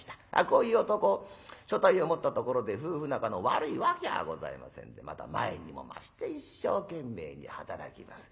こういう男所帯を持ったところで夫婦仲の悪いわけがございませんでまた前にも増して一生懸命に働きます。